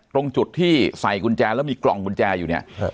ตรงจุดที่ใส่กุญแจแล้วมีกล่องกุญแจอยู่เนี่ย